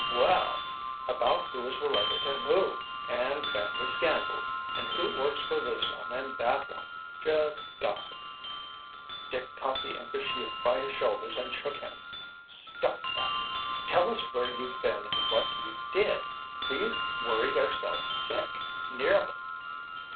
"Well—about who is related to who, and family scandals, and who works for this one and that one—just 'gossip'." Dick caught the impish youth by his shoulders and shook him. "Stop that! Tell us where you've been and what you did? We've worried ourselves sick, nearly."